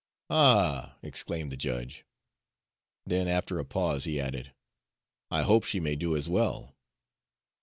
"Ah!" exclaimed the judge. Then after a pause he added, "I hope she may do as well."